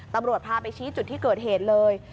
ตำรวจพาไปชี้จุดที่เกิดเหตุเลย